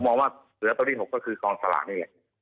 ผมมองว่าเสือตอนนี้ถูกก็คือกองสลากนี่เลย